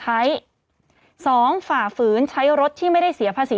ผู้ต้องหาที่ขับขี่รถจากอายานยนต์บิ๊กไบท์